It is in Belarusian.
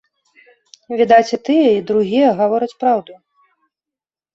Відаць, і тыя і другія гавораць праўду.